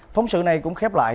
phóng sự này cũng khép lại